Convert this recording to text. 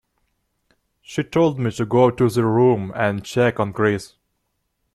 She told me to go to the room and check on Chris.